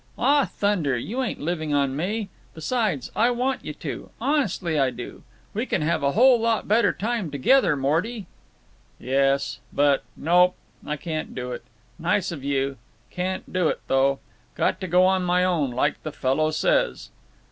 "Aw, thunder! You ain't living on me. Besides, I want you to. Honest I do. We can have a whole lot better time together, Morty." "Yes, but—Nope; I can't do it. Nice of you. Can't do it, though. Got to go on my own, like the fellow says."